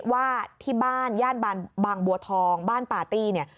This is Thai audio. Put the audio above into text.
ว่าที่บ้านย่านบางบัวทองบ้านปาร์ตี้เนี่ย